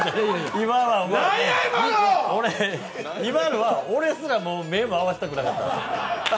今のは、俺すら、目も合わせたくなかった。